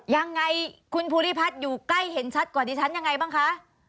ยังไงคุณภูริพัฒน์อยู่ใกล้เห็นชัดกว่าดิฉันยังไงบ้างคะ